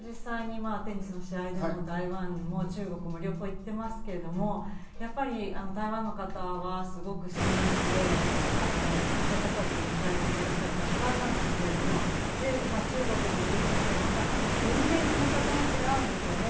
私も実際、テニスの試合で台湾も中国も両方いっていますけれど、台湾の方はすごく親日で、温かく迎えてくださって、主観なんですけど、中国にいる時と、また全然感覚も違うんですよね。